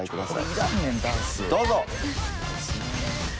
どうぞ。